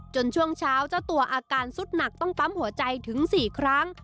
ช่วงเช้าเจ้าตัวอาการสุดหนักต้องปั๊มหัวใจถึง๔ครั้ง